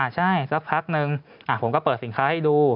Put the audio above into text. ใช่สักพักนึงผมก็เปิดสินค้าให้ดู